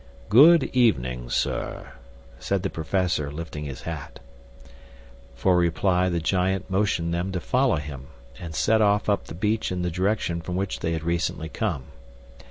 "Good evening, sir!" said the professor, lifting his hat. For reply the giant motioned them to follow him, and set off up the beach in the direction from which they had recently come.